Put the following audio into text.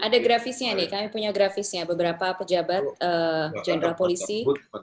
ada grafisnya nih kami punya grafisnya beberapa pejabat jenderal polisi